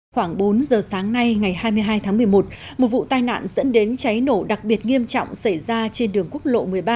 khoảng bốn giờ sáng nay ngày hai mươi hai tháng một mươi một một vụ tai nạn dẫn đến cháy nổ đặc biệt nghiêm trọng xảy ra trên đường quốc lộ một mươi ba